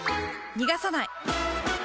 逃がさない！